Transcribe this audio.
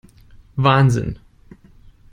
Wahnsinn!